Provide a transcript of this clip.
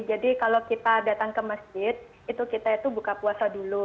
jadi kalau kita datang ke masjid kita itu buka puasa dulu